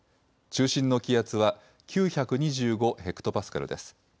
中心の気圧は９２５ヘクトパスカルです。